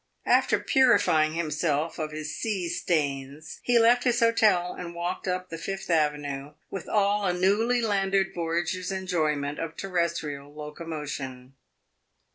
After purifying himself of his sea stains, he left his hotel and walked up the Fifth Avenue with all a newly landed voyager's enjoyment of terrestrial locomotion.